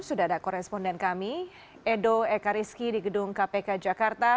sudah ada koresponden kami edo ekariski di gedung kpk jakarta